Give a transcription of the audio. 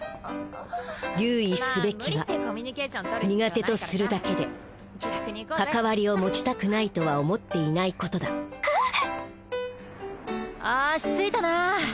留意すべきは苦手とするだけで関わりを持ちたくないとは思っていないことだおし着いたな。